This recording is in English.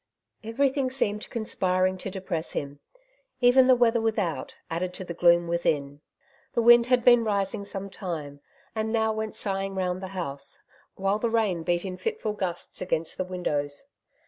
Everything seemed conspiring to depress him — even the weather without, added to the gloom within. The wind had been rising some time, and now went sighing round the house, while the rain beat in fitful gusts against the windows.